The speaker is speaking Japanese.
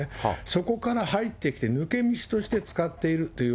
そこから入ってきて、抜け道として使っているという。